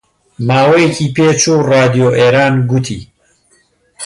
ماوەیەکی پێچوو ڕادیۆ ئێران گوتی: